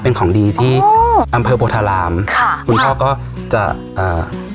เป็นของดีที่อำเภอโพธารามค่ะคุณพ่อก็จะอ่า